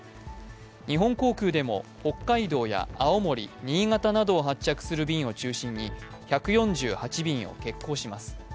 日本航空でも、北海道や青森、新潟などを発着する便を中心に１４８便を欠航します。